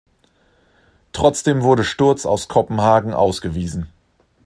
Trotzdem wurde Sturz aus Kopenhagen ausgewiesen.